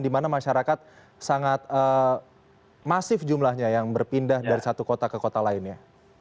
di mana masyarakat sangat masif jumlahnya yang berpindah dari satu kota ke kota lainnya